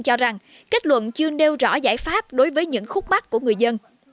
cho rằng kết luận chưa nêu rõ giải pháp đối với những khúc mắt của người dân